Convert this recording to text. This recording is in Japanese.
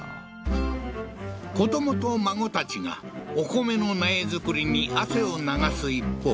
子どもと孫たちがお米の苗作りに汗を流す一方